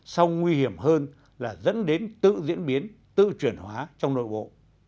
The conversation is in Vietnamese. song nguy hiểm hơn là dẫn đến tự diễn biến tự chuyển hóa trong nội bộ